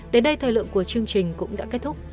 đến đây thời lượng của chương trình cũng đã kết thúc